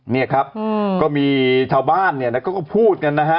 เนี่ยครับก็มีชาวบ้านเนี่ยนะเขาก็พูดกันนะฮะ